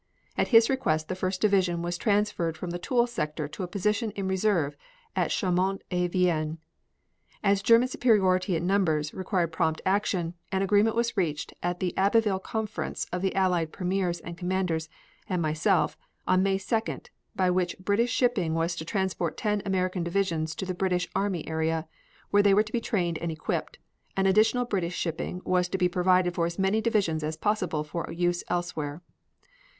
At his request the First division was transferred from the Toul sector to a position in reserve at Chaumont en Vexin. As German superiority in numbers required prompt action, an agreement was reached at the Abbeville conference of the Allied premiers and commanders and myself on May 2d by which British shipping was to transport ten American divisions to the British army area, where they were to be trained and equipped, and additional British shipping was to be provided for as many divisions as possible for use elsewhere.